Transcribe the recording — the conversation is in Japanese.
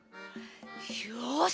よし！